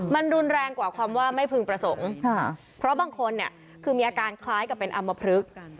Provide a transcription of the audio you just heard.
มันรุนแรงกว่าความว่าไม่พึงประสงค์เพราะบางคนเนี่ยคือมีอาการคล้ายกับเป็นอำมพลึก